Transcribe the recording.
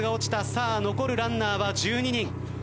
さあ残るランナーは１２人。